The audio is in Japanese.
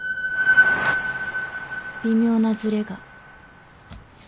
微妙なずれが。